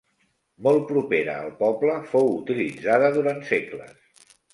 Molt propera al poble, fou utilitzada durant segles.